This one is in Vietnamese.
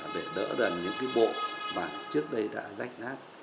để đỡ đần những cái bộ mà trước đây đã rách nát